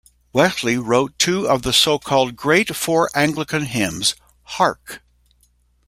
Wesley wrote two of the so-called Great Four Anglican Hymns: Hark!